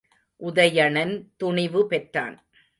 உதயணன் துணிவு பெற்றான்.